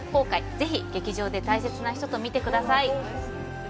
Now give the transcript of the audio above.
ぜひ劇場で大切な人と見てください。